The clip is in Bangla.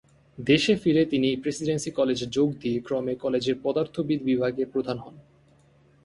দেশে ফিরে তিনি প্রেসিডেন্সি কলেজে যোগ দিয়ে ক্রমে কলেজের পদার্থবিদ বিভাগের প্রধান হন।